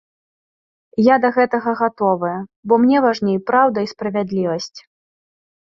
Я да гэтага гатовая, бо мне важней праўда і справядлівасць.